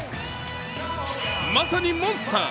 まさにモンスター。